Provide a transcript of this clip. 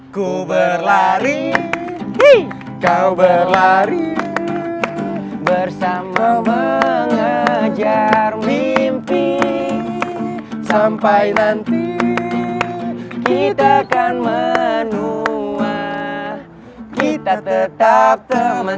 kuberlari kau berlari bersama mengajar mimpi sampai nanti kita akan menua kita tetap teman